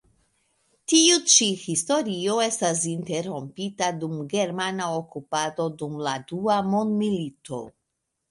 Tiu ĉi historio estas interrompita dum germana okupado dum la Dua mondmilito.